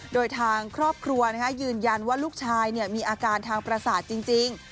โดยทางครอบครัวยืนยันว่าลูกชายมีอาการทางประสาทจริง